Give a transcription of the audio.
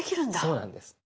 そうなんです。